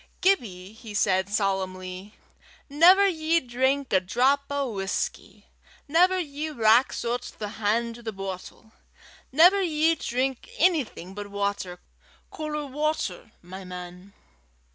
"Gibbie," he said, solemnly, "never ye drink a drap o' whusky. Never ye rax oot the han' to the boatle. Never ye drink onything but watter, caller watter, my man."